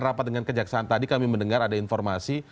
rapat dengan kejaksaan tadi kami mendengar ada informasi